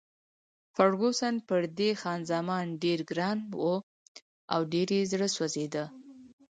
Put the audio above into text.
فرګوسن پر دې خان زمان ډېره ګرانه وه او ډېر یې زړه سوځېده.